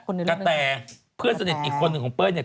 กระแต่เพื่อนสนิทอีกคนหนึ่งของเป้ยเนี่ย